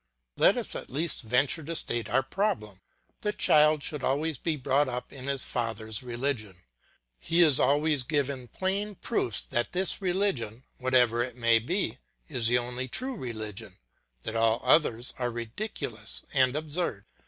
Let us at least venture to state our problem. A child should always be brought up in his father's religion; he is always given plain proofs that this religion, whatever it may be, is the only true religion, that all others are ridiculous and absurd.